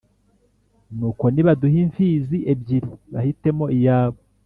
Nuko nibaduhe impfizi ebyiri bahitemo iyabo